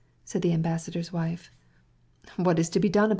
said the ambassador's wife. "What's to be done?